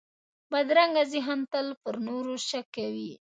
بدرنګه ذهن تل پر نورو شک کوي